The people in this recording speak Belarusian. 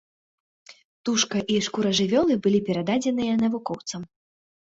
Тушка і шкура жывёлы былі перададзеныя навукоўцам.